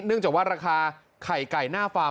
เนื่องจากว่าราคาไข่ไก่หน้าฟาร์ม